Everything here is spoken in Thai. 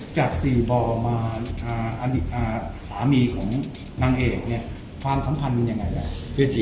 จาก๔บ่อมาอดีตสามีของนางเอกเนี่ยความสัมพันธ์มันยังไงล่ะ